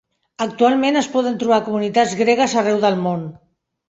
Actualment, es poden trobar comunitats gregues arreu del món.